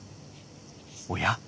おや？